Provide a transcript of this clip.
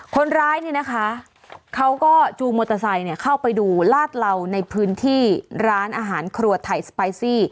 คนร้ายเนี่ยนะคะเขาก็จูงมอเตอร์ไซค์เข้าไปดูลาดเหล่าในพื้นที่ร้านอาหารครัวไทยสปายซี่